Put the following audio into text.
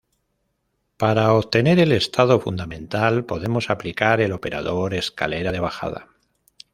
Para obtener el estado fundamental, podemos aplicar el operador escalera de bajada.